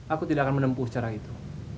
aku tidak akan menempuh cara itu